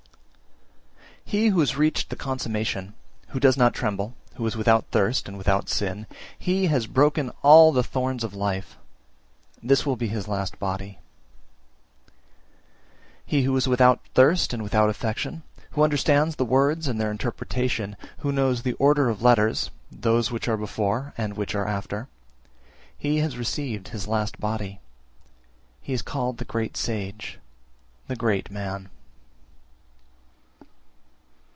351. He who has reached the consummation, who does not tremble, who is without thirst and without sin, he has broken all the thorns of life: this will be his last body. 352. He who is without thirst and without affection, who understands the words and their interpretation, who knows the order of letters (those which are before and which are after), he has received his last body, he is called the great sage, the great man.